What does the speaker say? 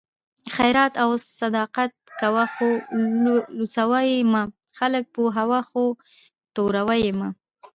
خیرات او صدقات کوه خو لوڅوه یې مه؛ خلک پوهوه خو توروه یې مه